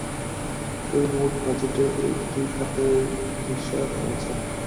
তবে মোট বাজেটে এ দুটি খাতের হিস্যা কমেছে।